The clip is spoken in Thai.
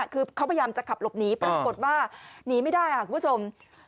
คือเขาพยายามจะขับหลบหนีปรากฏว่าหนีไม่ได้ค่ะคุณผู้ชม